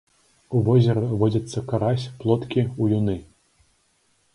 У возеры водзяцца карась, плоткі, уюны.